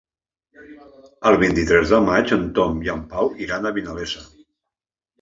El vint-i-tres de maig en Tom i en Pau iran a Vinalesa.